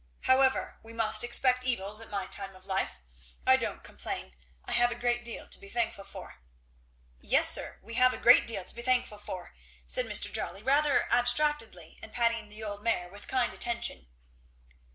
However we must expect evils at my time of life. I don't complain. I have a great deal to be thankful for." "Yes, sir, we have a great deal to be thankful for," said Mr. Jolly rather abstractedly, and patting the old mare with kind attention.